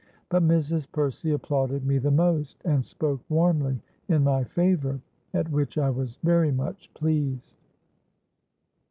But Mrs. Percy applauded me the most, and spoke warmly in my favour—at which I was very much pleased.